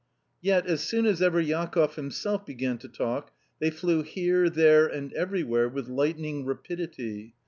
Yet, as soon as ever Jakoff himself began to talk, they flew here, there, and everywhere with lightning rapidity.